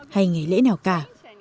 hay ngày lễ nào cả